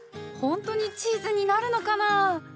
ほんとにチーズになるのかな？